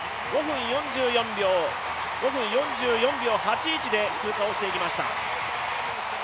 ５分４４秒８１で通過していきました。